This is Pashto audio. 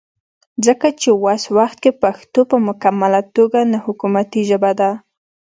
ځکه چې وس وخت کې پښتو پۀ مکمله توګه نه حکومتي ژبه ده